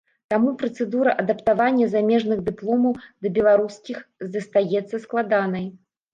Таму працэдура адаптавання замежных дыпломаў да беларускіх застаецца складанай.